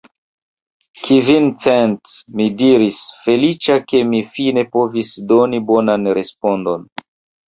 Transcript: Kvin cent! mi diris, feliĉa, ke mi fine povis doni bonan respondon.